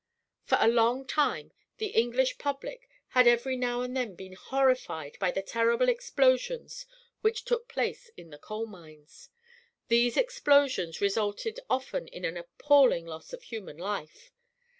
For a long time the English public had every now and then been horrified by the terrible explosions which took place in the coal mines. These explosions resulted often in an appalling loss of human life.